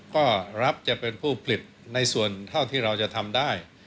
ก็รับจะเป็นผู้ผลิตในส่วนเท่าที่เราจะทำได้